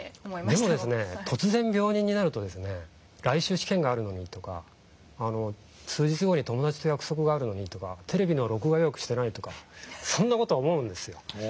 でも突然病人になると来週試験があるのにとか数日後に友達と約束があるのにとかテレビの録画予約してないとかそんな事を思うんですよ。